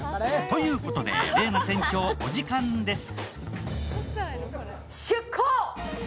ということで麗菜船長、お時間です。